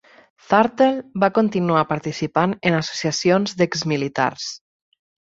Thurtle va continuar participant en associacions d'exmilitars.